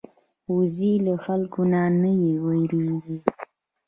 وزې له خلکو نه نه وېرېږي